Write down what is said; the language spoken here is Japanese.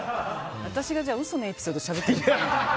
私が嘘のエピソードをしゃべったみたいに。